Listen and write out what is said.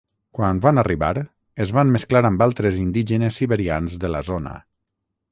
Quan van arribar es van mesclar amb altres indígenes siberians de la zona.